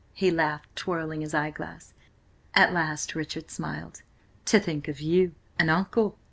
He laughed, twirling his eyeglass. At last Richard smiled. "To think of you an uncle!"